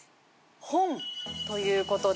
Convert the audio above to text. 「本」ということで。